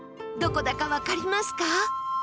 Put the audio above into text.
どこだかわかりますか？